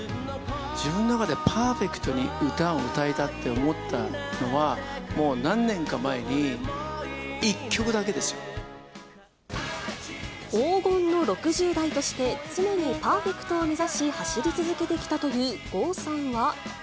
自分の中ではパーフェクトに歌を歌えたって思ったのは、もう何年か前に、黄金の６０代として、常にパーフェクトを目指し走り続けてきたという郷さんは。